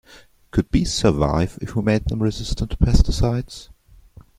Could bees survive if we made them resistant to pesticides?